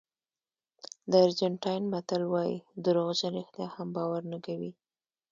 د ارجنټاین متل وایي دروغجن رښتیا هم باور نه کوي.